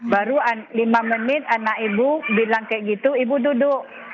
baru lima menit anak ibu bilang kayak gitu ibu duduk